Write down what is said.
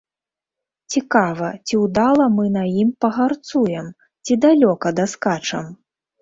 Цікава, ці ўдала мы на ім пагарцуем, ці далёка даскачам?